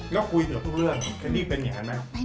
แล้วคุยเทียบทุกเรื่องแคนดี้เป็นอย่างไรไหม